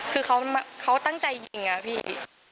คือเขาตั้งใจยิงอะพี่